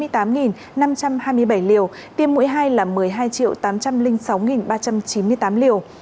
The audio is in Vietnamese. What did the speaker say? tiêm mũi hai là một mươi hai tám trăm linh sáu ba trăm chín mươi tám liều